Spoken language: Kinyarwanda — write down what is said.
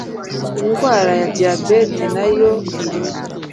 indwara ya diyabete na yo irimo